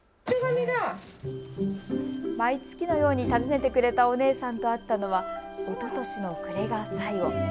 毎月のように訪ねてくれたお姉さんと会ったのはおととしの暮れが最後。